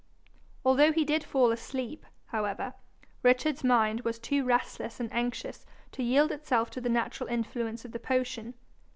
Although he did fall asleep, however, Richard's mind was too restless and anxious to yield itself to the natural influence of the potion.